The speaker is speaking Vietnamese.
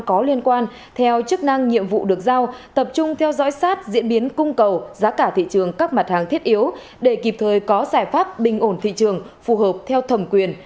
có liên quan theo chức năng nhiệm vụ được giao tập trung theo dõi sát diễn biến cung cầu giá cả thị trường các mặt hàng thiết yếu để kịp thời có giải pháp bình ổn thị trường phù hợp theo thẩm quyền